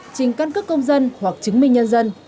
trình căn cước công dân hoặc chứng minh nhân dân